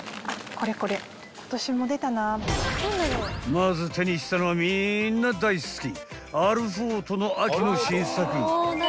［まず手にしたのはみんな大好き］